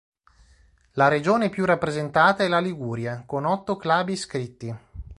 La regione più rappresentata è la Liguria, con otto club iscritti.